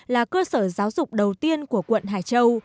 là cơ sở giáo dục đầu tiên của quận hải châu